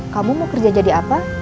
kamu mau kerja jadi apa